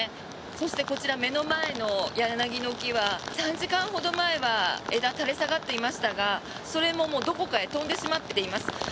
そして、こちら目の前の柳の木は３時間ほど前は枝が垂れ下がっていましたがそれももう、どこかへ飛んでしまっています。